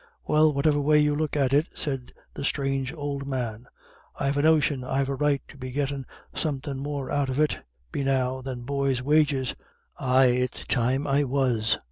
"Well, whatever way you look at it," said the strange old man, "I've a notion I've a right to be gettin' somethin' more out of it be now than boys' wages. Ay, it's time I was.